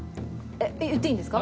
言っていいんですか？